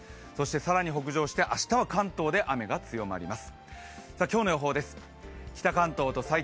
更に北上して明日は関東で雨・風が強まります。